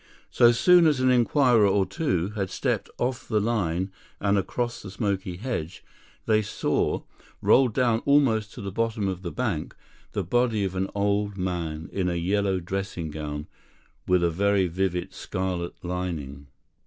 So soon as an inquirer or two had stepped off the line and across the smoky hedge, they saw, rolled down almost to the bottom of the bank, the body of an old man in a yellow dressing gown with a very vivid scarlet lining.